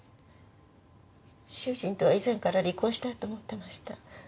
主人とは以前から離婚したいと思ってました。